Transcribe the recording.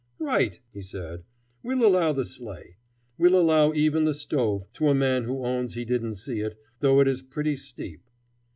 "Right!" he said. "We'll allow the sleigh. We'll allow even the stove, to a man who owns he didn't see it, though it is pretty steep."